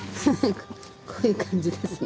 こういう感じですね。